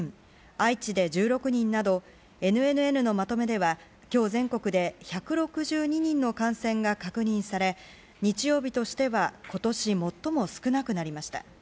愛知で１６人などＮＮＮのまとめでは今日、全国で１６２人の感染が確認され日曜日としては今年最も少なくなりました。